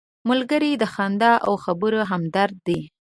ملګری د خندا او خبرې همدرد دی